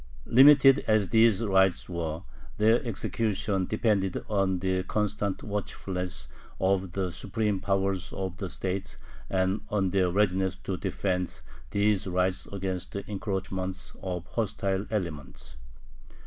Limited as these rights were, their execution depended on the constant watchfulness of the supreme powers of the state and on their readiness to defend these rights against the encroachments of hostile elements.